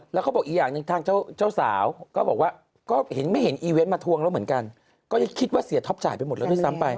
แล้วเขาบอกอีกอย่างหนึ่งทางเจ้าสาวก็บอกว่าก็เห็นไม่เห็นอีเวนต์มาทวงแล้วเหมือนกันก็จะคิดว่าเสียท็อปจ่ายไปหมดแล้วด้วยซ้ำไป